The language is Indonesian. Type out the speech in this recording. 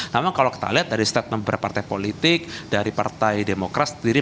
namun kalau kita lihat dari staten berpartai politik dari partai demokrasi